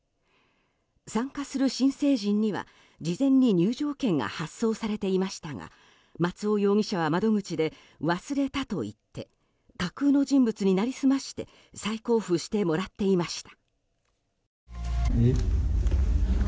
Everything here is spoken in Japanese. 参加する新成人には事前に入場券が発送されていましたが松尾容疑者は窓口で忘れたと言って架空の人物に成り済まして再交付してもらっていました。